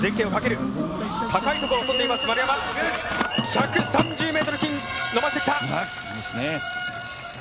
１３０ｍ付近、伸ばしてきた！